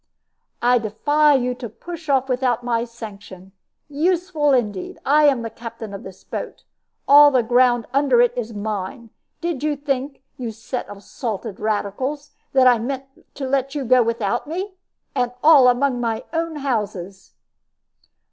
"I defy you to push off without my sanction. Useful, indeed! I am the captain of this boat. All the ground under it is mine. Did you think, you set of salted radicals, that I meant to let you go without me? And all among my own houses!"